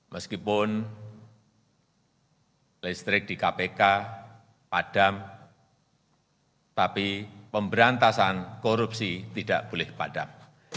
meskipun listrik di kpk padam tapi pemberantasan korupsi tidak boleh padam